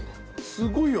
すごいよ。